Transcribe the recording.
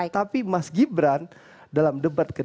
tapi mas gibran dalam debat ke dua